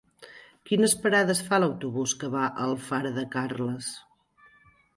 Quines parades fa l'autobús que va a Alfara de Carles?